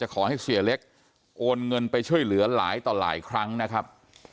ขอให้เสียเล็กโอนเงินไปช่วยเหลือหลายต่อหลายครั้งนะครับ